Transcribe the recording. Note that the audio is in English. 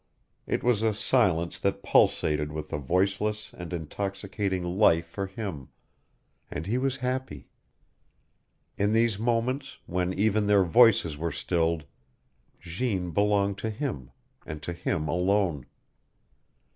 It was a silence that pulsated with a voiceless and intoxicating life for him, and he was happy. In these moments, when even their voices were stilled, Jeanne belonged to him, and to him alone.